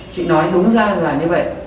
chị nói đúng ra là như vậy